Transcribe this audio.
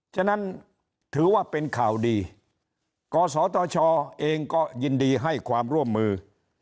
ฉะนั้นถือว่าเป็นข่าวดีกศตชเองก็ยินดีให้ความร่วมมือ